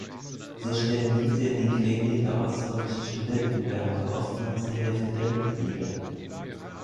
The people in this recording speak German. So stellen diese in den Gremien der ostdeutschen Studentenwerke oftmals die Hälfte der Mitglieder.